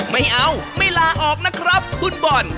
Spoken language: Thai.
ไม่เอาไม่ลาออกนะครับคุณบอล